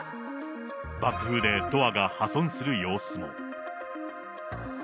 爆風でドアが破損する様子も。